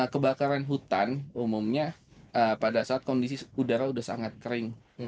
kebakaran hutan umumnya pada saat kondisi udara sudah sangat kering